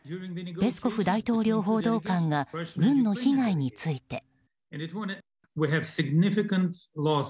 ペスコフ大統領報道官が軍の被害について。